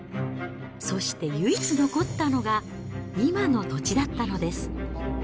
そして唯一残ったのが、今の土地だったのです。